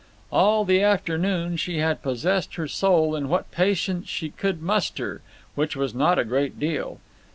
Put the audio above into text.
All the afternoon she had possessed her soul in what patience she could muster, which was not a great deal.